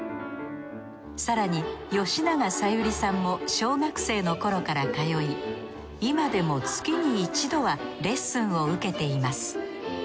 更に吉永小百合さんも小学生のころから通い今でも月に一度はレッスンを受けています。